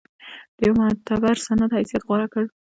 د یوه معتبر سند حیثیت غوره کړ.